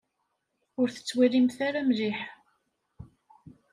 Ur tettwalimt ara mliḥ.